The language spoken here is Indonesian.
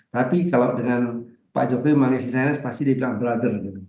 tapi kalau dengan pak jokowi memanggil his highness pasti dibilang brother